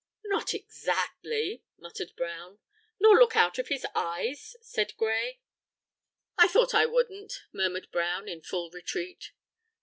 "Not exactly," muttered Brown. "Nor look out of his eyes?" said Gray. "I thought I wouldn't," murmured Brown, in full retreat.